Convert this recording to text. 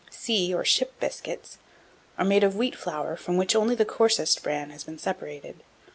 1714. SEA, or SHIP BISCUITS, are made of wheat flour from which only the coarsest bran has been separated.